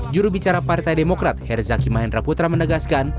jurubicara partai demokrat herzaki mahendra putra menegaskan